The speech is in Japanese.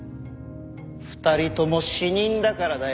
２人とも死人だからだよ。